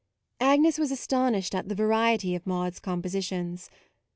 Agnes was astonished at the variety of Maude's compositions.